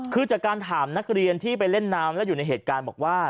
คือจากการถามนักเรียนที่ไปเล่นน้ำแล้วอยู่ในเหตุการณ์บอกว่า